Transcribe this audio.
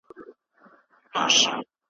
بهرنۍ پالیسي د همکارۍ دروازې نه تړي.